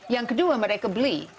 yang kedua mereka beli